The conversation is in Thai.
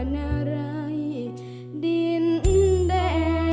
เพลงที่สองเพลงมาครับ